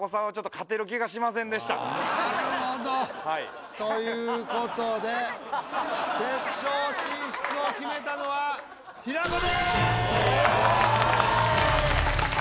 なるほど。ということで決勝進出を決めたのは平子です！